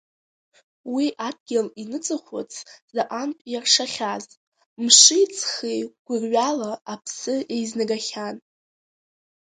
Уи адгьыл иныҵахәыц заҟантә иаршахьаз, мши-ҵхи гәырҩала аԥсы еизнагахьаз.